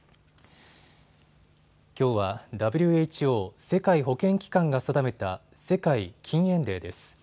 きょうはＷＨＯ・世界保健機関が定めた世界禁煙デーです。